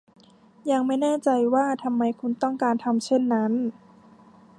ยังไม่แน่ใจว่าทำไมคุณต้องการทำเช่นนั้น